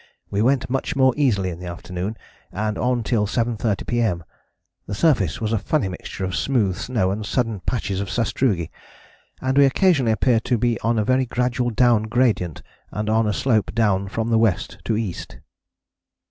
We went much more easily in the afternoon, and on till 7.30 P.M. The surface was a funny mixture of smooth snow and sudden patches of sastrugi, and we occasionally appear to be on a very gradual down gradient and on a slope down from the west to east."